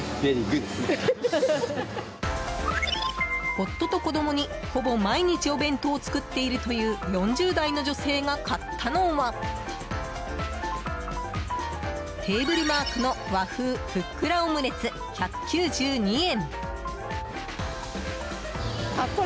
夫と子供にほぼ毎日お弁当を作っているという４０代の女性が買ったのはテーブルマークの和風ふっくらオムレツ、１９２円。